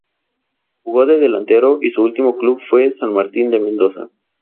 Jugó de delantero y su último club fue San Martín de Mendoza.